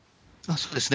そうですね。